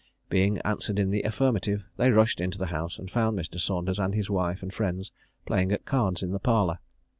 Being answered in the affirmative, they rushed into the house, and found Mr. Saunders, with his wife and friends, playing at cards in the parlour.